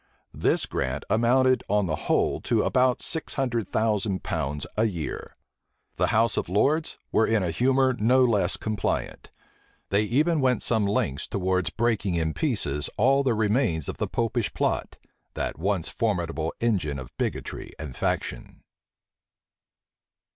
This grant amounted on the whole to about six hundred thousand pounds a year. The house of lords were in a humor no less compliant. They even went some lengths towards breaking in pieces all the remains of the Popish plot, that once formidable engine[*] of bigotry and faction.